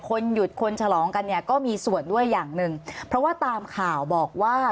คนหยุดคนฉลองกันเนี่ยก็มีส่วนด้วยอย่างหนึ่งเพราะว่าตามข่าวบอกว่า